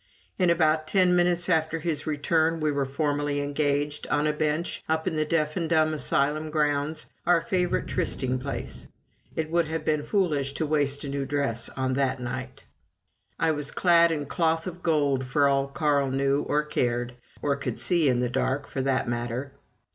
In about ten minutes after his return we were formally engaged, on a bench up in the Deaf and Dumb Asylum grounds our favorite trysting place. It would have been foolish to waste a new dress on that night. I was clad in cloth of gold for all Carl knew or cared, or could see in the dark, for that matter.